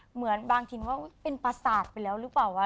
เหมือนบางทีว่าเป็นประสาทไปแล้วหรือเปล่าวะ